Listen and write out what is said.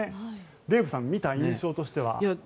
デーブさん、見た印象としてはどうですか？